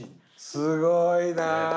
すごいなあ。